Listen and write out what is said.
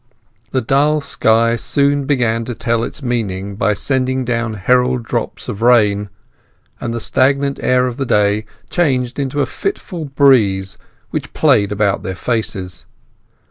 The dull sky soon began to tell its meaning by sending down herald drops of rain, and the stagnant air of the day changed into a fitful breeze which played about their faces.